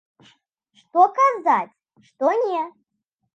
Што казаць, што не?